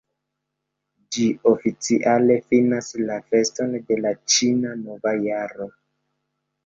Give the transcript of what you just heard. Ĝi oficiale finas la feston de la Ĉina Nova Jaro.